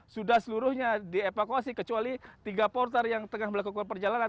sudah seluruhnya dievakuasi kecuali tiga porter yang tengah melakukan perjalanan